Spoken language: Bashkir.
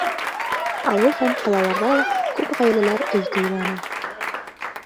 Ауыл һәм ҡалаларҙа ла күп ғаиләләр өй туйланы.